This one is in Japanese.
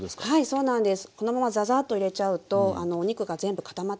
そうなんです。